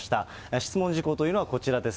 質問事項というのはこちらです。